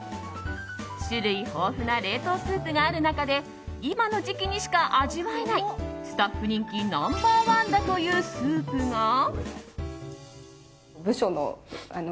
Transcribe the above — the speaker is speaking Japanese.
種類豊富な冷凍スープがある中で今の時期にしか味わえないスタッフ人気ナンバー１だというスープが。